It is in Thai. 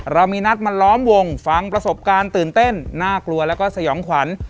เรามีนัดมาล้อมวงฟังประสบการณ์ตื่นเต้นน่ากลัวแล้วก็สยองขวัญ